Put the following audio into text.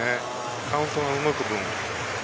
カウントが動く分。